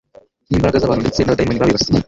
n'imbaraga z'abantu ndetse n'abadayimoni babibasiye;